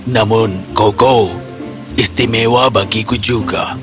namun koko istimewa bagiku juga